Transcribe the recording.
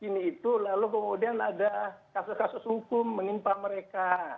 lalu kemudian ada kasus kasus hukum menimpa mereka